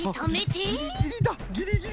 ギリギリだギリギリだこれは。